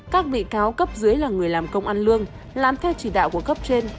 các bị cáo cấp dưới là người làm công ăn lương làm theo chỉ đạo của cấp trên